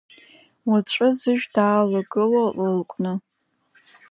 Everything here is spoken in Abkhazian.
Уаҵәы зышә даалагыло ла лакәны…